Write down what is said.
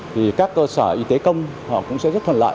thì các cơ sở y tế công họ cũng sẽ rất thuận lợi